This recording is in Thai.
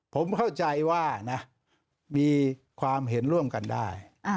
ผมเข้าใจว่านะมีความเห็นร่วมกันได้